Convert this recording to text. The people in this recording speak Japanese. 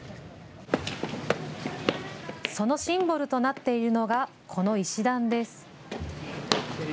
そのシンボルとなっているのがこの石段です。